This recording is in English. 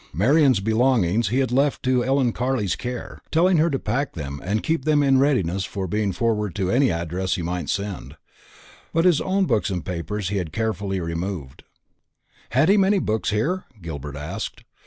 Marian's belongings he had left to Ellen Carley's care, telling her to pack them, and keep them in readiness for being forwarded to any address he might send. But his own books and papers he had carefully removed. "Had he many books here?" Gilbert asked.